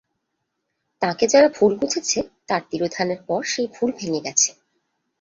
তাঁকে যারা ভুল বুঝেছে তাঁর তিরোধানের পর সেই ভুল ভেঙে গেছে।